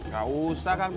gak usah bang